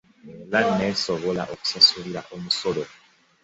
Era n'esobola okusasulirwa omusolo